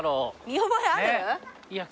見覚えある？